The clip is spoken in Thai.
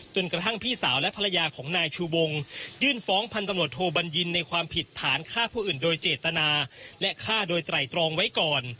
จนกระทั่งพี่สาวและภรรยาของนายชูวงยื่นฟ้องพันตำรวจโทบัญญินในความผิดฐานฆ่าผู้อื่นโดยเจตนาและฆ่าโดยไตรตรองไว้ก่อน